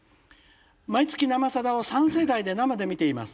「毎月『生さだ』を３世代で生で見ています」。